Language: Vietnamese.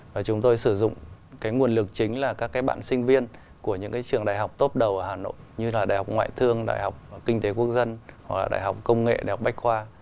và chúng tôi sử dụng nguồn lực chính là các cái bạn sinh viên của những cái trường đại học top đầu ở hà nội như là đại học ngoại thương đại học kinh tế quốc dân hoặc là đại học công nghệ đại học bách khoa